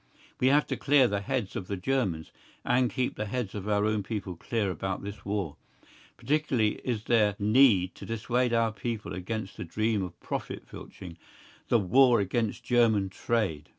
We have to clear the heads of the Germans, and keep the heads of our own people clear about this war. Particularly is there need to dissuade our people against the dream of profit filching, the "War against German Trade."